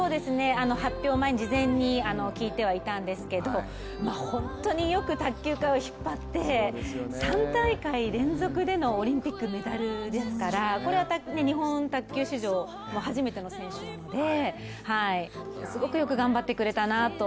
発表前に事前に聞いてはいたんですけども本当によく卓球界を引っ張って３大会連続でのオリンピックメダルですからこれは日本卓球史上初めての選手なので、すごくよく頑張ってくれたなと。